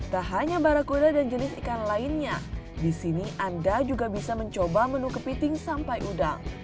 tak hanya barakuda dan jenis ikan lainnya di sini anda juga bisa mencoba menu kepiting sampai udang